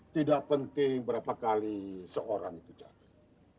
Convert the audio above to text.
tidak penting berapa kali seorang itu capek